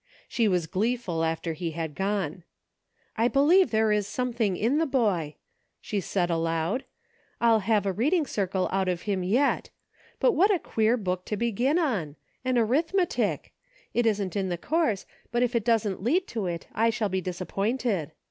She was gleeful after he had gone. • "I believe there is something in the boy," she said aloud. " I'll have a reading circle out of him yet. But what a queer book to begin on ! An arithmetic ! It isn't in the course, but if it doesn't lead to it, I shall be disappointed.